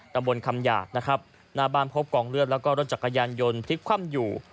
ตำบลคำหยาดนะครับหน้าบ้านพบกองเลือดแล้วก็รถจักรยานยนต์พลิกคว่ำอยู่